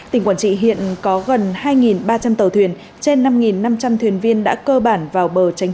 tỉnh quản trị hiện có gần hai ba trăm linh tàu thuyền trên năm năm trăm linh thuyền viên đã cơ bản vào bờ tránh